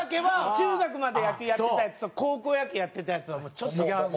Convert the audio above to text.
中学まで野球やってたヤツと高校野球やってたヤツはちょっと。